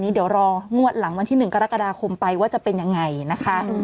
เดี๋ยวรองวดหลังวันที่๑กรกฎาคมไปว่าจะเป็นยังไงนะคะ